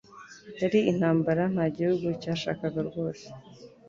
Yari intambara nta gihugu cyashakaga rwose.